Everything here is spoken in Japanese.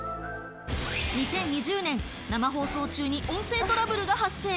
２０２０年、生放送中に音声トラブルが発生。